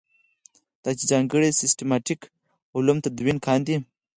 دا چې ځانګړي سیسټماټیک علوم تدوین کاندي.